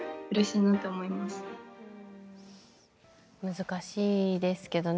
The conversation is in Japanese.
難しいですけどね。